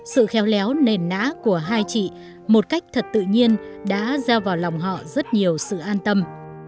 sự khéo léo nền nã của hai chị một cách thật tự nhiên đã gieo vào lòng họ rất nhiều sự an tâm